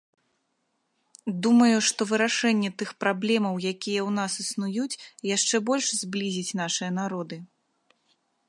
Думаю, што вырашэнне тых праблемаў, якія ў нас існуюць, яшчэ больш зблізіць нашыя народы.